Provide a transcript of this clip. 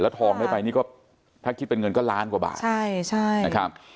ทองได้ไปนี่ก็ถ้าคิดเป็นเงินก็ล้านกว่าบาทใช่ใช่นะครับ